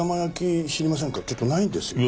ちょっとないんですよね。